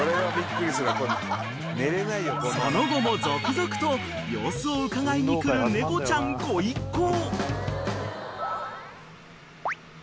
［その後も続々と様子をうかがいに来る猫ちゃんご一行］